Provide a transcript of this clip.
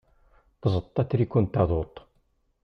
Tzeṭṭ atriku n taduṭ.